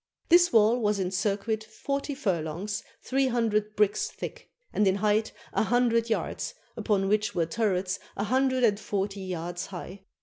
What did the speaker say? This wall was in circuit forty furlongs, three hundred bricks thick, and in height a hundred yards, upon which were turrets a hundred and forty yards high.